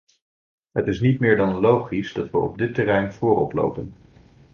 Het is niet meer dan logisch dat we op dit terrein voorop lopen.